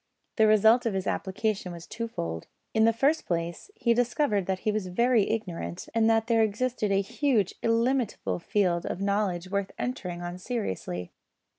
The result of his application was twofold. In the first place he discovered that he was very ignorant and that there existed a huge illimitable field of knowledge worth entering on seriously.